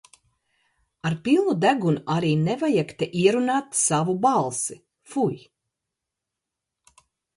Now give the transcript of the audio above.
Ar pilnu degunu ar? nevajag te ierun?t savu balsi, fuj!